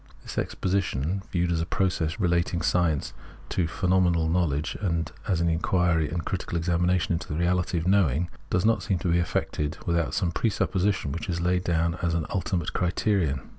This exposition, viewed as a process of relating science to phenomenal know ledge, and as an inquiry and critical examination into the reality of knowing, does not seem able to be effected without some presupposition which is laid down as •in ultimate criterion.